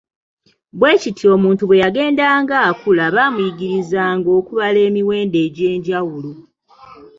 Bwe kityo omuntu bwe yagendanga akula baamuyigirizanga okubala emiwendo egy'enjawulo.